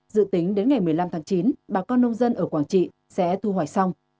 dự tính đến ngày một mươi năm tháng chín bà con nông dân ở quảng trị sẽ thu hoạch xong